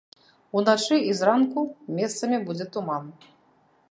Уначы і зранку месцамі будзе туман.